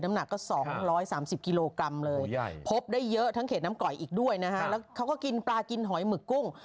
หนักก็๒๓๐กิโลกรัมเลยพบได้เยอะทั้งเขตน้ำก่อยอีกด้วยนะฮะแล้วเขาก็กินปลากินหอยหมึกกุ้ง